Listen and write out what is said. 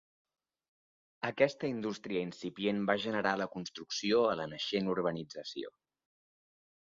Aquesta indústria incipient va generar la construcció a la naixent urbanització.